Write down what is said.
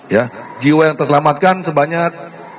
ya jiwa yang terselamatkan sebanyak